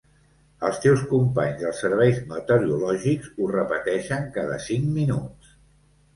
Els teus companys dels serveis meteorològics ho repeteixen cada cinc minuts!